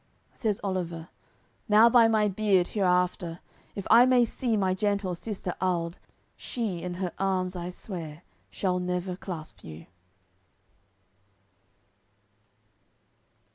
Says Oliver: "Now by my beard, hereafter If I may see my gentle sister Alde, She in her arms, I swear, shall never clasp you."